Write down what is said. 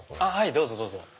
どうぞどうぞ。